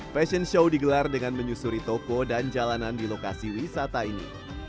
fashion show digelar dengan menyusuri toko dan jalanan di lokasi wisata ini